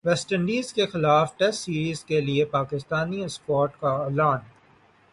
waste انڈیزکےخلاف test series کے لیےپاکستانی اسکواڈ کا اعلان